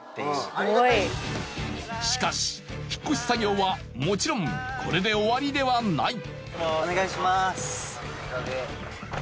すごい！しかし引越し作業はもちろんこれで終わりではないお願いします。